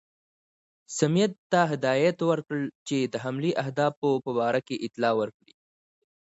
سمیت ته هدایت ورکړ چې د حملې اهدافو په باره کې اطلاع ورکړي.